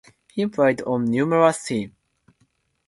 He played on numerous teams.